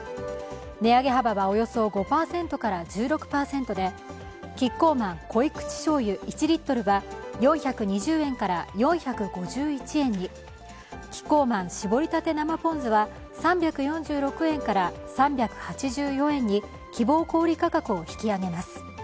値上げ幅はおよそ５％から１６％でキッコーマン濃口しょうゆ１リットルは４２０円から４５１円にキッコーマンしぼりたて生ポン酢は３４６円から３８４円に希望小売り価格を引き上げます。